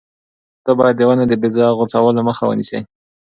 ته باید د ونو د بې ځایه غوڅولو مخه ونیسې.